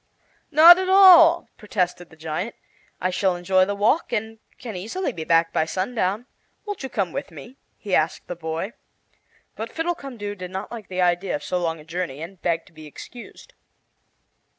"Not at all!" protested the giant. "I shall enjoy the walk, and can easily be back by sundown. Won't you come with me?" he asked the boy. But Fiddlecumdoo did not like the idea of so long a journey, and begged to be excused.